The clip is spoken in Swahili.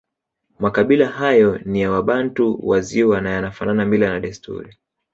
Makabila hayo ni ya Wabantu wa Ziwa na yanafanana mila na desturi